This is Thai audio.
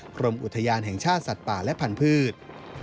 กรมอุทยานแห่งชาติสัตว์ป่าและพันธุ์